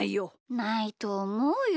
ないとおもうよ。